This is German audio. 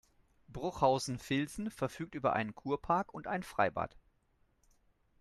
Bruchhausen-Vilsen verfügt über einen Kurpark und ein Freibad.